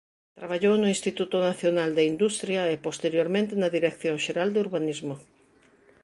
Traballou no Instituto Nacional de Industria e posteriormente na Dirección Xeral de Urbanismo.